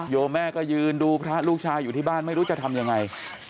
โยมแม่ก็ยืนดูพระลูกชายอยู่ที่บ้านไม่รู้จะทำยังไง